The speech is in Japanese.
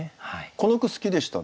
この句好きでしたね。